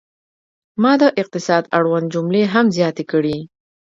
ما د اقتصاد اړوند جملې هم زیاتې کړې.